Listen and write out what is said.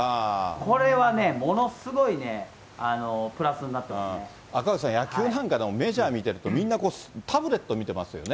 これはね、ものすごいね、プラス赤星さん、野球なんかでもメジャー見てると、みんなタブレット見てますよね。